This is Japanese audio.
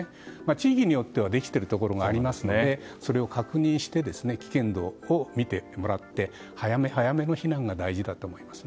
地域によってはできているところがあるのでそれを確認して危険度を見てもらって早め早めの避難が大事かと思います。